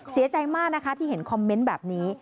เสียใจมากนะคะที่เห็นคอมเมนต์แบบนี้